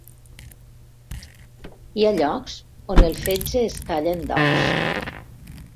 Hi ha llocs on el fetge es talla en daus.